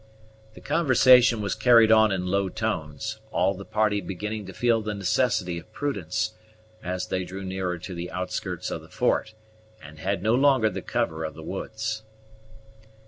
The conversation was carried on in low tones, all the party beginning to feel the necessity of prudence, as they drew nearer to the outskirts of the fort, and had no longer the cover of the woods.